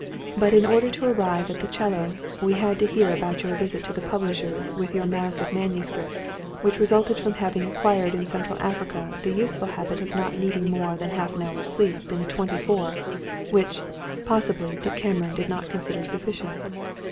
"But in order to arrive at the 'cello we had to hear about your visit to the publishers with your mass of manuscript, which resulted from having acquired in Central Africa the useful habit of not needing more than half an hour of sleep in the twenty four; which, possibly, Dick Cameron did not consider sufficient.